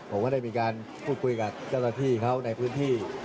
ก็ได้มีการพูดพูดกับเจ้าตัวที่เขาในพื้นที่